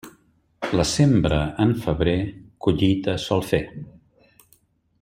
La sembra en febrer, collita sol fer.